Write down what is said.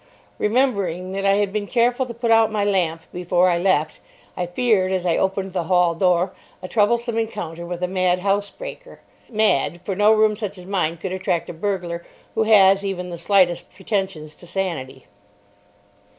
Remembering that I had been careful to put out my lamp before I left, I feared, as I opened the hall door, a troublesome encounter with a mad housebreaker. Mad, for no room such as mine could attract a burglar who has even the slightest pretensions to sanity.